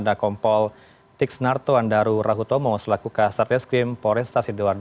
di dina kompol tix narto andaru rahutomo selaku ksrt eskrim forestasi dewarja